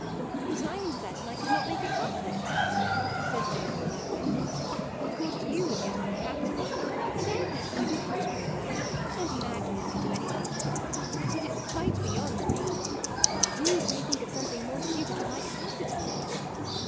" But I am certain I could not make a couplet, " said Mary, laugh ing. " Of course you would get on capitally, and Agnes might manage very well, and Magdalen can do any thing; but it is quite beyond me: do pray think of something more suited to my capacity."